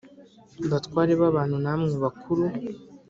Batware b abantu namwe bakuru